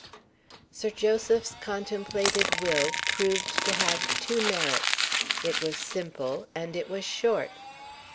Sir Joseph's contemplated Will proved to have two merits it was simple and it was short.